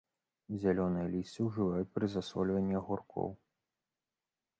Зялёнае лісце ўжываюць пры засольванні агуркоў.